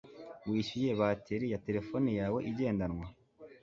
Wishyuye bateri ya terefone yawe igendanwa